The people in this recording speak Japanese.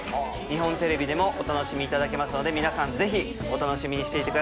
日本テレビでもお楽しみいただけますので皆さんぜひお楽しみにしていてください。